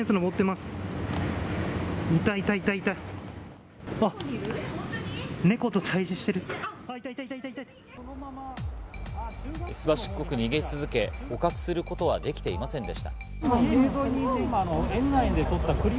すばしっこく逃げ続け、捕獲することはできていませんでした。